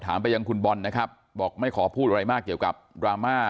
ไปยังคุณบอลนะครับบอกไม่ขอพูดอะไรมากเกี่ยวกับดราม่า